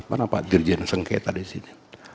mana pak dirjen sengketa di sini